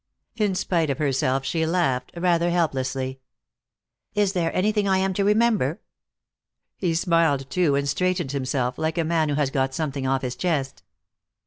In spite of herself she laughed, rather helplessly. "Is there anything I am to remember?" He smiled too, and straightened himself, like a man who has got something off his chest.